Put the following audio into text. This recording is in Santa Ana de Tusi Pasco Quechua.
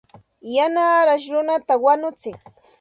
Yana arash runata wañutsin.